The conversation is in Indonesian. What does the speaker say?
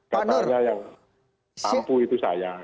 katanya yang ampuh itu saya